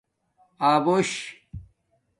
اَبوش